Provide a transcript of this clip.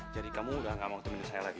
jadi kamu udah gak mau temenin saya lagi